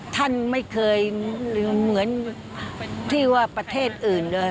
ท่านไม่เคยลืมเหมือนที่ว่าประเทศอื่นเลย